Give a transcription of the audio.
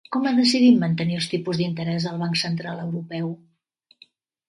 Com ha decidit mantenir els tipus d'interès el Banc Central Europeu?